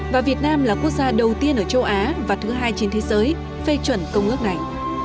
và việt nam là quốc gia đầu tiên ở châu á và thứ hai trên thế giới phê chuẩn công ước này